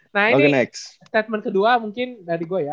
nah ini statement kedua mungkin dari gue ya